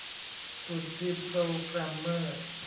ส่วนทีมโปรแกรมเมอร์